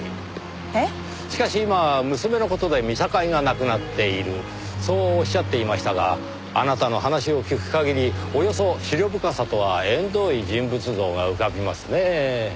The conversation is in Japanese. しかし今は娘の事で見境がなくなっているそうおっしゃっていましたがあなたの話を聞く限りおよそ思慮深さとは縁遠い人物像が浮かびますねぇ。